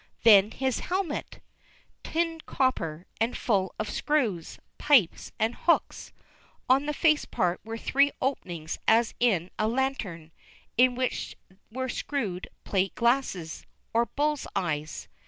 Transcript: Then his helmet! Tinned copper, and full of screws, pipes, and hooks. On the face part were three openings as in a lantern, in which were screwed plate glasses, or bull's eyes.